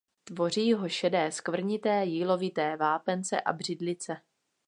Tvoří ho šedé skvrnité jílovité vápence a břidlice.